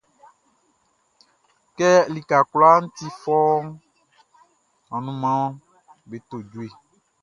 Kɛ lika kwlaa ti fɔuunʼn, anunmanʼm be to jue.